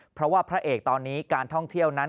เพราะว่าพระเอกตอนนี้การท่องเที่ยวนั้น